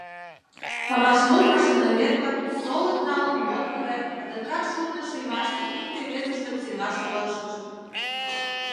«Памашнур» машиновед-влак солык налын модмо гай адакат шурно шиймаште икте-весыштым сеҥаш толашышт.